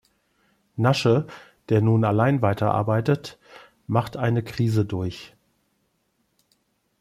Nashe, der nun allein weiter arbeitet, macht eine Krise durch.